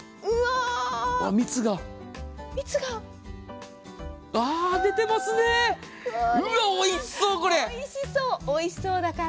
うわ、おいしそう、これ！